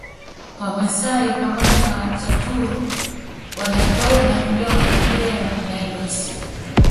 Wamasai pamoja na Wataturu Wadatooga ndio makabila ya Nilotes